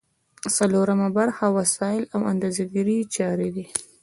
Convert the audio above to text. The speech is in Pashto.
څلورمه برخه وسایل او د اندازه ګیری چارې دي.